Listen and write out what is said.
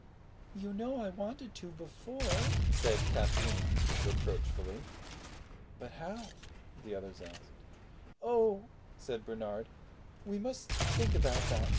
"You know I wanted to before," said Kathleen reproachfully. "But how?" the others asked. "Oh," said Bernard, "we must think about that.